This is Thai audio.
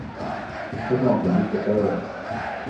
ทดลองเป็นฮิปสเตอร์